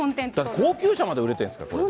高級車まで売れてるんですから、これ。